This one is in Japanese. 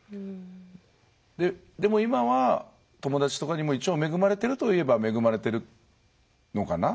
でも今は友達とかにも一応恵まれてると言えば恵まれてるのかな？